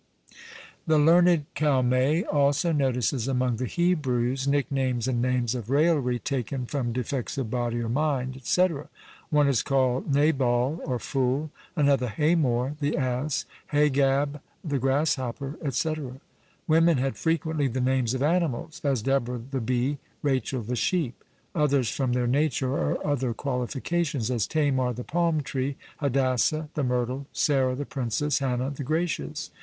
The learned Calmet also notices among the Hebrews nicknames and names of raillery taken from defects of body or mind, &c. One is called Nabal, or fool; another Hamor, the Ass; Hagab, the Grasshopper, &c. Women had frequently the names of animals; as Deborah, the Bee; Rachel, the Sheep. Others from their nature or other qualifications; as Tamar, the Palm tree; Hadassa, the Myrtle; Sarah, the Princess; Hannah, the Gracious.